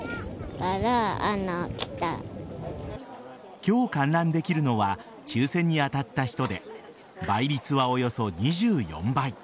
今日観覧できるのは抽選に当たった人で倍率はおよそ２４倍。